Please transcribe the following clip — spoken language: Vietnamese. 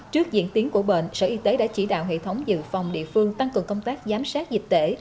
trước diễn biến của bệnh sở y tế đã chỉ đạo hệ thống dự phòng địa phương tăng cường công tác giám sát dịch tễ